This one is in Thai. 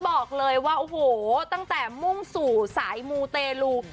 บอกเลยว่าโอ้โหตั้งแต่มุ่งสู่สายมูเตลู